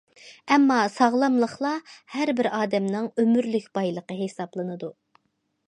ئەمما ساغلاملىقلا ھەر بىر ئادەمنىڭ ئۆمۈرلۈك بايلىقى ھېسابلىنىدۇ.